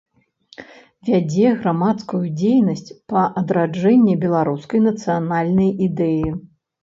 Вядзе грамадскую дзейнасць па адраджэнні беларускай нацыянальнай ідэі.